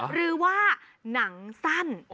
หรือว่าหนังสั้น